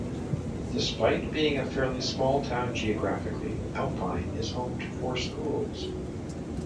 Despite being a fairly small town geographically, Alpine is home to four schools.